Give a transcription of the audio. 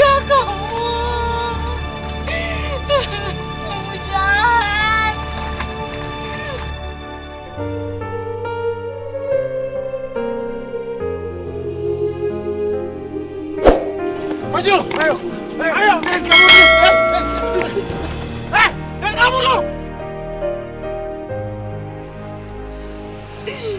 jangan dia pihak ber phillips